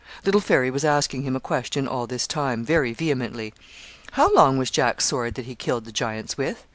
Little Fairy was asking him a question all this time, very vehemently, 'How long was Jack's sword that he killed the giants with?'